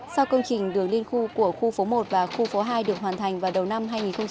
sau công trình đường liên khu của khu phố một và khu phố hai được hoàn thành vào đầu năm hai nghìn một mươi ba